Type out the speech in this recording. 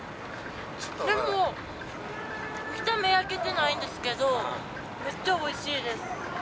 でも見た目焼けてないんですけどめっちゃおいしいです。